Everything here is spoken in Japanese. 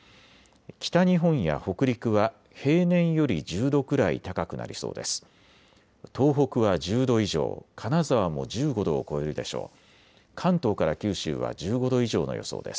北日本や北陸は平年より１０度くらい高くなりそうです。